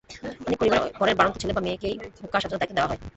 অনেক পরিবারে ঘরের বাড়ন্ত ছেলে বা মেয়েকেই হুঁকা সাজানোর দায়িত্ব দেওয়া হয়।